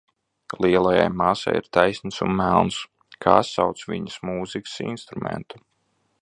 Lielajai māsai ir taisns un melns. Kā sauc viņas mūzikas instrumentu?